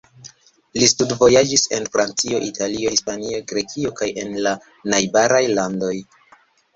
Li studvojaĝis en Francio, Italio, Hispanio, Grekio kaj en la najbaraj landoj.